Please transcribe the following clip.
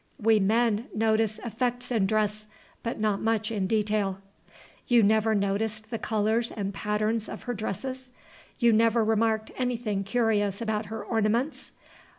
We men notice effects in dress, but not much in detail." "You never noticed the colors and patterns of her dresses? You never remarked anything curious about her ornaments?